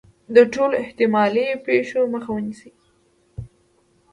د ټولو احتمالي پېښو مخه ونیسي.